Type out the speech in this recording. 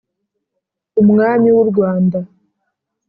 umwami w'u rwanda;